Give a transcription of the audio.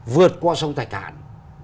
vượt qua sông thạch hàn